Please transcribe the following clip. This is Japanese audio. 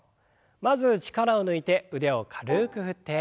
まず力を抜いて腕を軽く振って。